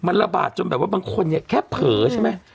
มันระบาดจนแบบว่าบางคนเนี่ยแค่เผลอใช่ไหม